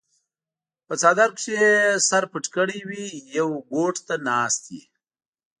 پۀ څادر کښې ئې سر پټ کړے وي يو ګوټ ته ناست وي